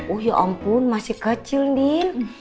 oh ya ampun masih kecil nih